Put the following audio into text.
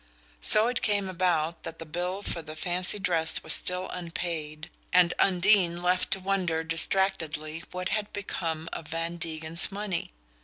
So it came about that the bill for the fancy dress was still unpaid, and Undine left to wonder distractedly what had become of Van Degen's money.